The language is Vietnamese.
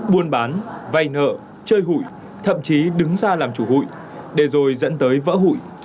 buôn bán vay nợ chơi hụi thậm chí đứng ra làm chủ hụi để rồi dẫn tới vỡ hụi